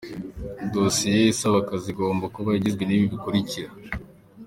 Dossier isaba akazi igomba kuba igizwe n’ibi bikurikira :